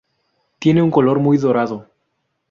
Tiene un color muy dorado.